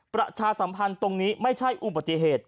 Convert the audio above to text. ประชาสัมพันธ์ตรงนี้ไม่ใช่อุบัติเหตุ